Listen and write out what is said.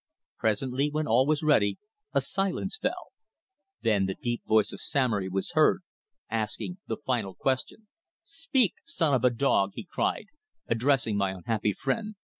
Presently, when all was ready, a silence fell. Then, the deep voice of Samory was heard, asking the final question: "Speak, son of a dog," he cried, addressing my unhappy friend.